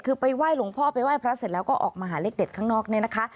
คือไปไหว้หลวงพ่อไปไหว้พระเสร็จแล้วก็ออกมาหาเลขเด็ดข้างนอกเนี่ยนะคะ